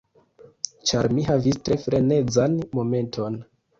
Ĉar mi havis tre frenezan momenton.